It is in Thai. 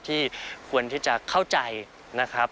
ควรที่จะเข้าใจนะครับ